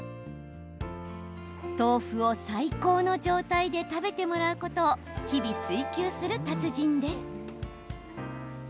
豆腐を最高の状態で食べてもらうことを日々、追求する達人です。